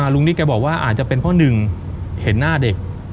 นิดแกบอกว่าอาจจะเป็นเพราะหนึ่งเห็นหน้าเด็ก